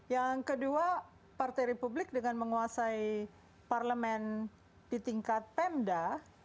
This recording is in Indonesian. yang kedua partai republik dengan menguasai parlemen di tingkat pemda